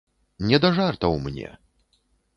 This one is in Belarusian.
Не да жартаў мне.